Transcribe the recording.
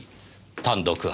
単独犯。